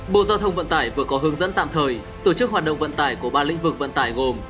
bộ giao thông vận tải vừa có hướng dẫn tạm thời tổ chức hoạt động vận tải của ba lĩnh vực vận tải gồm